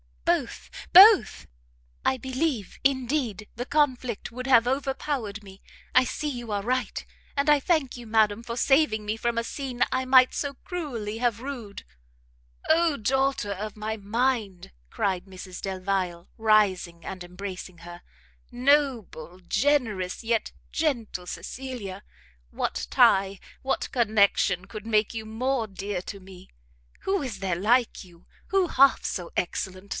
"Both, both! I believe, indeed, the conflict would have overpowered me, I see you are right, and I thank you, madam, for saving me from a scene I might so cruelly have rued." "Oh Daughter of my mind!" cried Mrs Delvile, rising and embracing her, "noble, generous, yet gentle Cecilia! what tie, what connection, could make you more dear to me? Who is there like you? Who half so excellent?